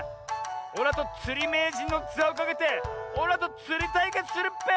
おらとつりめいじんの「ざ」をかけておらとつりたいけつするっぺ！